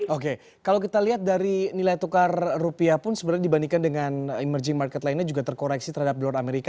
oke kalau kita lihat dari nilai tukar rupiah pun sebenarnya dibandingkan dengan emerging market lainnya juga terkoreksi terhadap dolar amerika